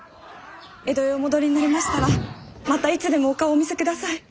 江戸へお戻りになりましたらまたいつでもお顔をお見せください。